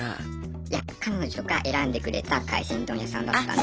いや彼女が選んでくれた海鮮丼屋さんだったんで。